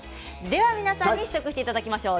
皆さんに試食していただきましょう。